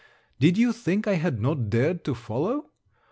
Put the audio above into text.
Did you think I had not dared to follow?